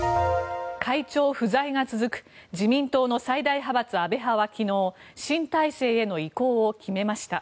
会長不在が続く自民党の最大派閥安倍派は昨日、新体制への移行を決めました。